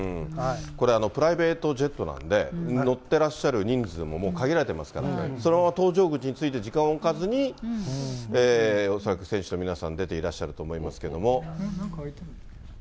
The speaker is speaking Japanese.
これ、プライベートジェットなんで、乗ってらっしゃる人数ももう限られてますから、そのまま搭乗口に着いて、時間を置かずに恐らく選手の皆さん出ていらっしゃると思いますけども。